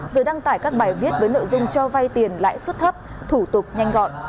rồi đăng tải các bài viết với nội dung cho vay tiền lãi suất thấp thủ tục nhanh gọn